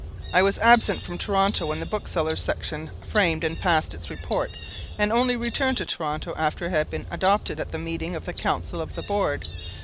I was absent from Toronto when the Booksellers' Section framed and passed its Report, and only returned to Toronto after it had been adopted at the meeting of the Council of the Board.